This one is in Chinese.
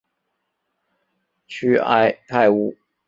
屈埃泰乌。